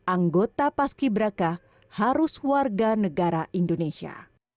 anggota pas kiberaka harus warganegara indonesia